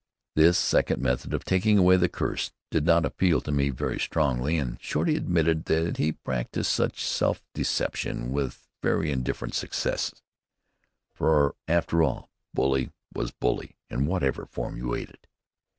This second method of taking away the curse did not appeal to me very strongly, and Shorty admitted that he practiced such self deception with very indifferent success; for after all "bully" was "bully" in whatever form you ate it.